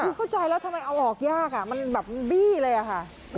คือเข้าใจแล้วทำไมเอาออกยากมันแบบบี้เลยอะค่ะ